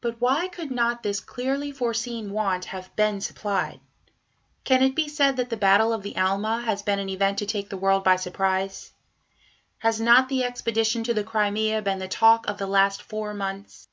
But why could not this clearly foreseen want have been supplied? Can it be said that the Battle of the Alma has been an event to take the world by surprise? Has not the expedition to the Crimea been the talk of the last four months?